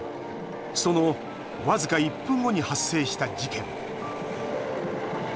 その僅か１分後に発生した事件。